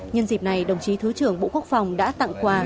nhân dịp này đồng chí thứ trưởng bộ quốc phòng đã tặng quà